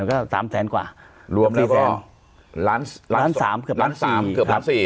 ก็สามแสนกว่ารวมแล้วล้านล้านสามเกือบล้านสามเกือบล้านสี่